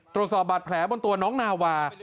ตรวจสอบบาดแผลบนตัวน้องนาวา